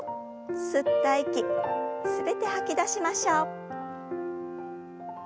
吸った息全て吐き出しましょう。